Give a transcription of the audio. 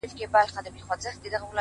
• کوډي جادو او منترونه لیکي ,